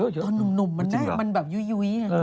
ตอนฝ่าหรือลูกหนุ่มมันแน่ะมันแบบแย้วใช่ไหม